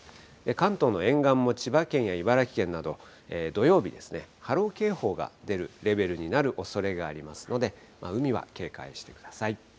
関東の沿岸も千葉県や茨城県など、土曜日ですね、波浪警報が出るレベルになるおそれがありますので、海は警戒してください。